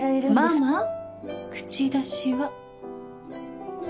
ママ口出しは。